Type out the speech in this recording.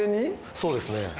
そうですね。